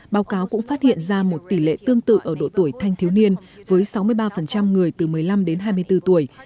báo cáo cũng phát hiện ra một tỷ lệ tương tự ở độ tuổi thanh thiếu niên với sáu mươi ba người từ một mươi năm đến hai mươi bốn tuổi